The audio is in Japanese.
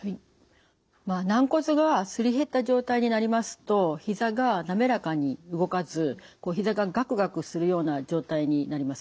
軟骨がすり減った状態になりますとひざが滑らかに動かずひざがガクガクするような状態になります。